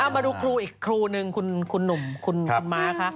มาดูครูอีกครูหนึ่งคุณหนุ่มคุณม้าคะ